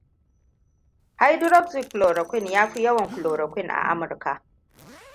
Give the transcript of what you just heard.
Hydroxychloroquine ya fi yawan chloroquine a Amurka.